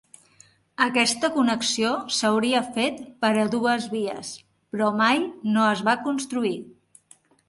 Aquesta connexió s'hauria fet per a dues vies, però mai no es va construir.